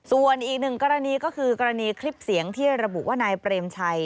ส่วนอีกหนึ่งกรณีก็คือกรณีคลิปเสียงที่ระบุว่านายเปรมชัย